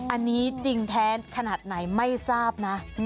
อันนี้จริงแท้ขนาดไหนไม่ทราบนะ